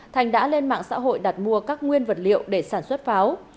thành đã lên mạng xã hội đặt mua các nguyên vật liệu để sản xuất pháo